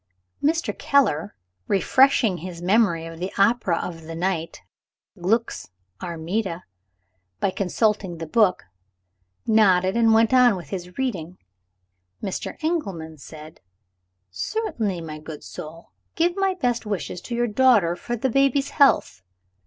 Mr. Keller, refreshing his memory of the opera of the night (Gluck's "Armida") by consulting the book, nodded, and went on with his reading. Mr. Engelman said, "Certainly, my good soul; give my best wishes to your daughter for the baby's health."